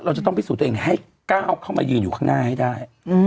จะต้องพิสูจน์ตัวเองให้ก้าวเข้ามายืนอยู่ข้างหน้าให้ได้